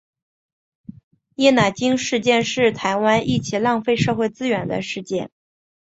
叶乃菁事件是台湾一起浪费社会资源的事件。